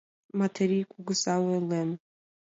Метрий кугыза ойлен.